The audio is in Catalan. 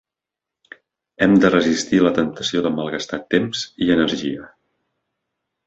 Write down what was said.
Hem de resistir la temptació de malgastar temps i energia.